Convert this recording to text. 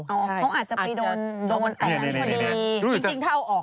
อาจจะไปโดนแอบ